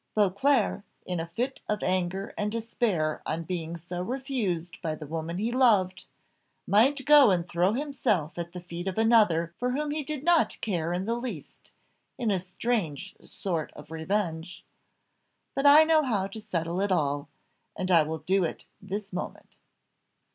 Beauclerc, in a fit of anger and despair on being so refused by the woman he loved, might go and throw himself at the feet of another for whom he did not care in the least, in a strange sort of revenge. But I know how to settle it all, and I will do it this moment."